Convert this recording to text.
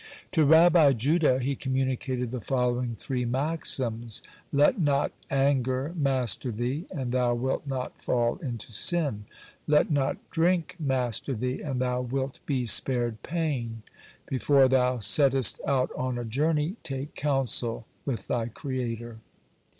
(77) To Rabbi Judah he communicated the following three maxims: Let not anger master thee, and thou wilt not fall into sin; let not drink master thee, and thou wilt be spared pain; before thou settest out on a journey, take counsel with thy Creator.